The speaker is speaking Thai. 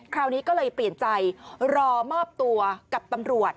คราวนี้ก็เลยเปลี่ยนใจรอมอบตัวกับตำรวจ